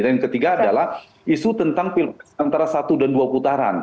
dan yang ketiga adalah isu tentang pil pil antara satu dan dua putaran